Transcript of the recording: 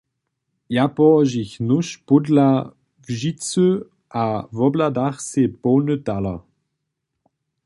Ja połožich nóž pódla łžicy a wobhladach sej połny taler.